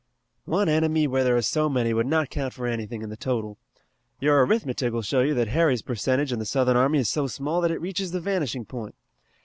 "One enemy where there are so many would not count for anything in the total. Your arithmetic will show you that Harry's percentage in the Southern army is so small that it reaches the vanishing point.